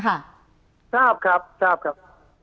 ทราบครับทราบครับ